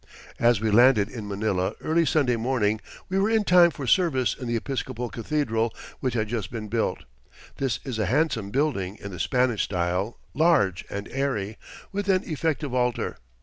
As we landed in Manila early Sunday morning, we were in time for service in the Episcopal cathedral, which had just been built. This is a handsome building in the Spanish style, large and airy, with an effective altar.